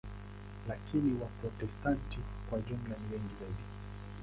Lakini Waprotestanti kwa jumla ni wengi zaidi.